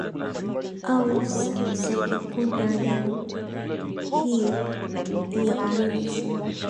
au za kikundi Mbinu hii ya ubunifu